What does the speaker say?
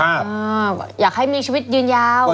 อยากให้มีชีวิตยืนยาว